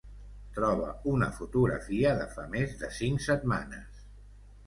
Troba una fotografia de fa més de cinc setmanes.